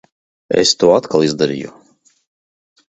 Es to atkal izdarīju.